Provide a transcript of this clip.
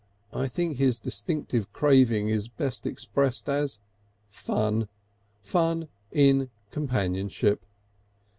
I think his distinctive craving is best expressed as fun fun in companionship.